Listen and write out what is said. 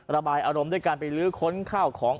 ระบายอารมณ์ด้วยการไปลื้อค้นข้าวของ